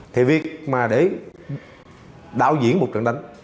thì việc mà để đạo diễn một trận đánh